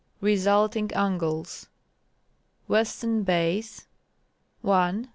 Resulting Angles. Western Base.